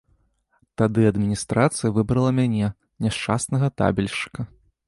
Тады адміністрацыя выбрала мяне, няшчаснага табельшчыка.